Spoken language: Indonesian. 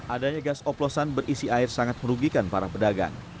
adanya gas oplosan berisi air sangat merugikan para pedagang